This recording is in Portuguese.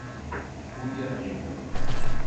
Hulha Negra